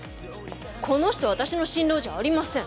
この人私の新郎じゃありません！